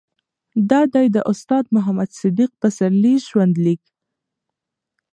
دا دي د استاد محمد صديق پسرلي ژوند ليک